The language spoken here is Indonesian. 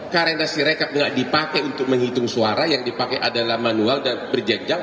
karena si rekap nggak dipakai untuk menghitung suara yang dipakai adalah manual dan berjenjang